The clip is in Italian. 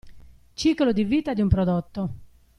Ciclo di vita di un prodotto.